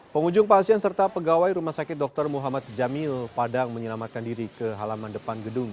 pengunjung pasien serta pegawai rumah sakit dr muhammad jamil padang menyelamatkan diri ke halaman depan gedung